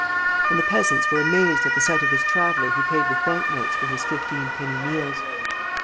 And the peasants were amazed at the sight of this traveller who paid with bank notes for his fifteen penny meals.